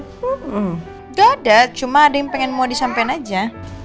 tidak ada cuma ada yang pengen mau disampaikan aja